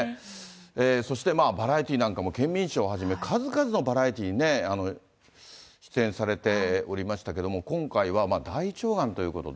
そしてバラエティーなんかもケンミンＳＨＯＷはじめ、数々のバラエティーにね、出演されておりましたけれども、今回は大腸がんということで。